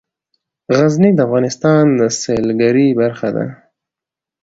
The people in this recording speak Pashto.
غزني د افغانستان د سیلګرۍ برخه ده.